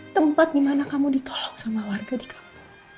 tempat di mana kamu ditolong sama warga untuk kamu